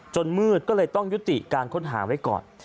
มืดก็เลยต้องยุติการค้นหาไว้ก่อน